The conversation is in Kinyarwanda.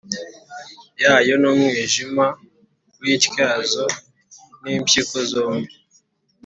yayo n umwijima w ityazo n impyiko zombi